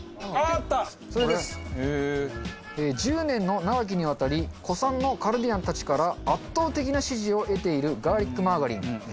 １０年の長きにわたり古参のカルディアンたちから圧倒的な支持を得ているガーリックマーガリン。